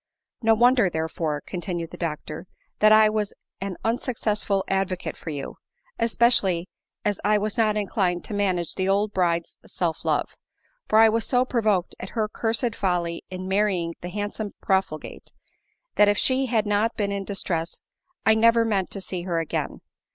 *" No wonder, therefore," continued the doctor, * that I was an unsuccessful advocate for you— especially as I was not inclined to manage the old bride's self love ; for I was so provoked at her cursed folly in marrying the handsome profligate, that if she had not been in distress, I never meant to see her again.